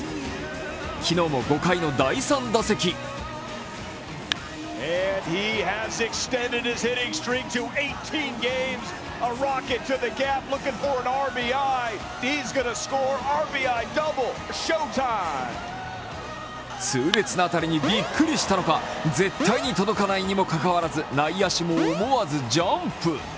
昨日も５回の第３打席痛烈な当たりにびっくりしたのか、絶対に届かないにもかかわらず内野手も思わずジャンプ。